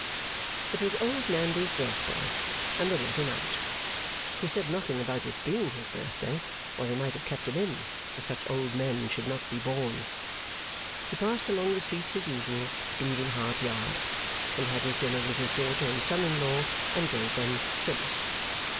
It was Old Nandy's birthday, and they let him out. He said nothing about its being his birthday, or they might have kept him in; for such old men should not be born. He passed along the streets as usual to Bleeding Heart Yard, and had his dinner with his daughter and son in law, and gave them Phyllis.